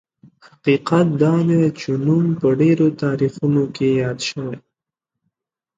حقیقت دا دی چې نوم په ډېرو تاریخونو کې یاد شوی.